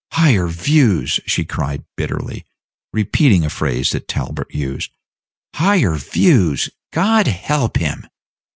"Higher views!" she cried bitterly, repeating a phrase that Talbot used "higher views! God help him!"